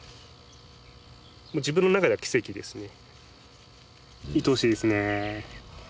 自分の中では奇跡ですね。